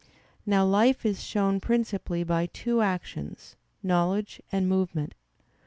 Now life is shown principally by two actions, knowledge and movement.